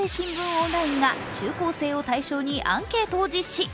オンラインが中高生を対象にアンケートを実施。